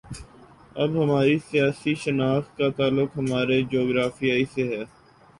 اب ہماری سیاسی شناخت کا تعلق ہمارے جغرافیے سے ہے۔